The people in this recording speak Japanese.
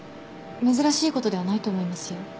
珍しいことではないと思いますよ。